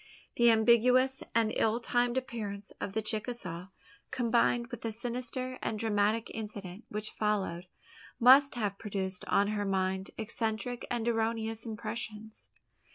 The ambiguous and ill timed appearance of the Chicasaw, combined with the sinister and dramatic incident which followed, must have produced on her mind eccentric and erroneous impressions.